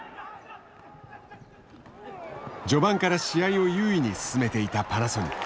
序盤から試合を優位に進めていたパナソニック。